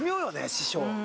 師匠。